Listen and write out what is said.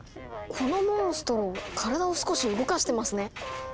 このモンストロ体を少し動かしてますね。